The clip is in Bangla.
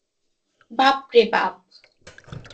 বাপ রে বাপ।